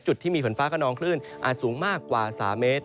จุดที่มีฝนฟ้ากระนองคลื่นอาจสูงมากกว่า๓เมตร